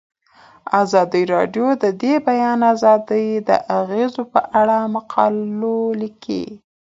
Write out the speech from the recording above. ازادي راډیو د د بیان آزادي د اغیزو په اړه مقالو لیکلي.